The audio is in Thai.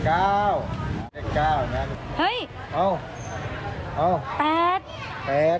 อันนี้อันนี้มีชัยประเภท